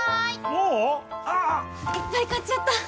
もう⁉ああ・・・いっぱい買っちゃった！